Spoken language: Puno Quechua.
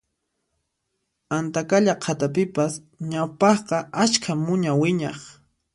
Antaqalla qhatapipas ñawpaqqa askha muña wiñaq